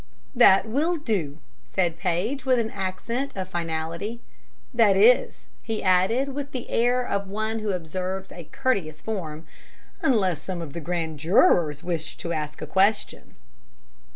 "That will do," said Paige, with an accent of finality. "That is," he added, with the air of one who observes a courteous form, "unless some of the grand jurors wish to ask a question."